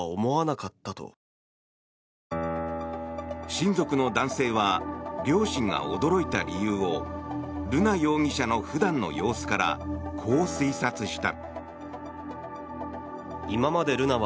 親族の男性は両親が驚いた理由を瑠奈容疑者の普段の様子からこう推察した。